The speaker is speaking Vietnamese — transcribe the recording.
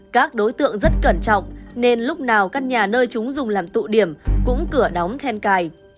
các đối tượng rất cẩn trọng nên lúc nào căn nhà nơi chúng dùng làm tụ điểm cũng cửa đóng then cài